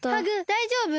だいじょうぶ？